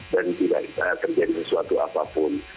dan tidak terjadi sesuatu apapun